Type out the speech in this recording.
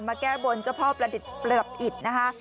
มาแก้บนเจ้าพ่อประดิษฐ์ประดับอิตรนะฮะ